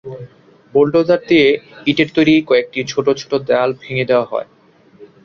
Bulldozer দিয়ে ইটের তৈরি কয়েকটি ছোট ছোট দেয়াল ভেঙে দেওয়া হয়।